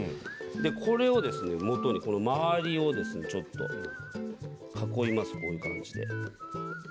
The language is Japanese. これをもとに周りをちょっと囲います。